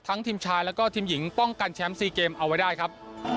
ทีมชายแล้วก็ทีมหญิงป้องกันแชมป์๔เกมเอาไว้ได้ครับ